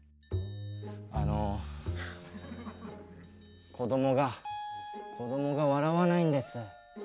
あのこどもがこどもが笑わないんです。